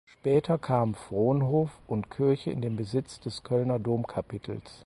Später kamen Fronhof und Kirche in den Besitz des Kölner Domkapitels.